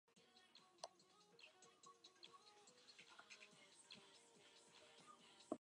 These services moved to the new station, downgrading Bletchley.